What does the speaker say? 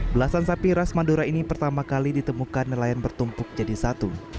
belasan sapi ras madura ini pertama kali ditemukan nelayan bertumpuk jadi satu